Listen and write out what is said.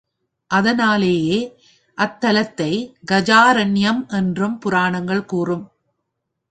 அதனாலேயே அத்தலத்தை கஜாரண்யம் என்றும் புராணங்கள் கூறும்.